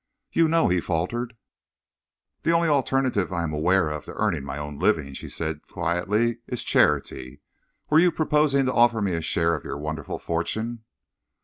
"You know," he faltered. "The only alternative I am aware of to earning my own living," she said quietly, "is charity. Were you proposing to offer me a share of your wonderful fortune?"